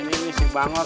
ini misi bangor